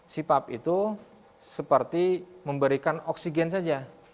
sipap itu seperti memberikan oksigen saja